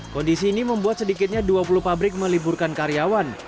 kondisi ini membuat sedikitnya dua puluh pabrik meliburkan karyawan